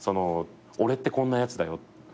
俺ってこんなやつだよ